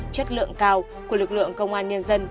chất lượng cao của lực lượng công an nhân dân